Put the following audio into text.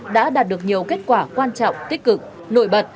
đã đạt được nhiều kết quả quan trọng tích cực nội bật